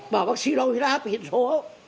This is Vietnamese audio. bảo bác sĩ đâu huyết áp hiện số